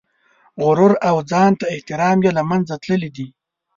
غرور او ځان ته احترام یې له منځه تللي دي.